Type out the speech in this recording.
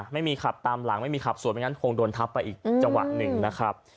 ไม่มีขับตามหลังไม่มีขับสวนไม่งั้นคงโดนทับไปอีกจังหวะหนึ่งนะครับ